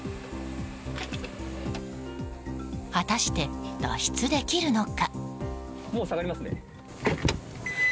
果たして、脱出できるのか？